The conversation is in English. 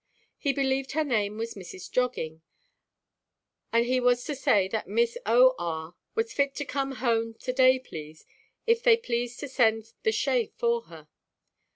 He believed her name was Mrs. Jogging, and he was to say that Miss Oh Ah was fit to come home to–day, please, if theyʼd please to send the shay for her.